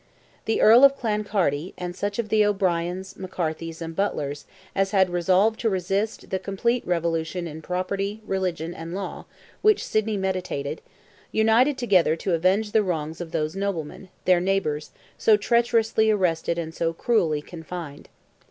The Earl of Clancarty, and such of the O'Briens, McCarthys, and Butlers, as had resolved to resist the complete revolution in property, religion, and law, which Sidney meditated, united together to avenge the wrongs of those noblemen, their neighbours, so treacherously arrested and so cruelly confined.